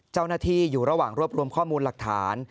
เจ้าหน้าที่อยู่ระหว่างรวบรวมข้อมูลหลักฐาน